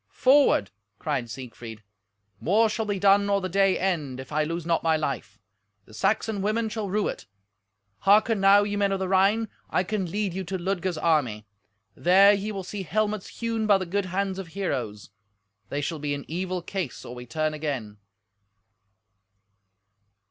"Forward!" cried Siegfried, "More shall be done or the day end, if I lose not my life. The Saxon women shall rue it. Hearken now, ye men of the Rhine. I can lead you to Ludger's army. There ye will see helmets hewn by the good hands of heroes. They shall be in evil case or we turn again."